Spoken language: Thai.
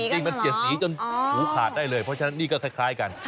เห้ยมันเสียสีจนเหลือคราดได้เลยเพราะฉะนั้นนี่ก็คล้ายกัน